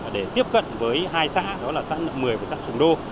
để tiếp cận với hai xã đó là xã nợ một mươi và xã sùng đô